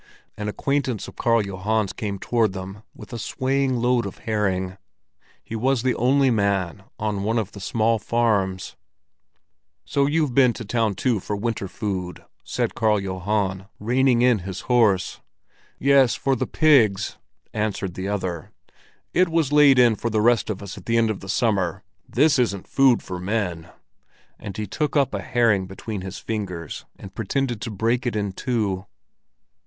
An acquaintance of Karl Johan's came toward them with a swaying load of herring. He was the only man on one of the small farms. "So you've been to the town too for winter food," said Karl Johan, reining in his horse. "Yes, for the pigs!" answered the other. "It was laid in for the rest of us at the end of the summer. This isn't food for men!" And he took up a herring between his fingers, and pretended to break it in two.